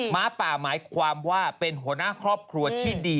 ้าป่าหมายความว่าเป็นหัวหน้าครอบครัวที่ดี